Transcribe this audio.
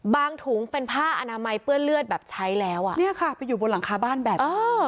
ถุงเป็นผ้าอนามัยเปื้อนเลือดแบบใช้แล้วอ่ะเนี่ยค่ะไปอยู่บนหลังคาบ้านแบบนี้